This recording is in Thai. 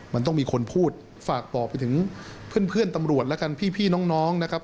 มันต้องมีคนพูดฝากบอกไปถึงเพื่อนตำรวจแล้วกันพี่น้องนะครับ